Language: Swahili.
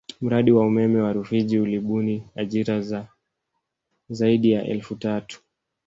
Mradi wa umeme wa Rufiji ulibuni ajira ya zaidi ya elfu tatu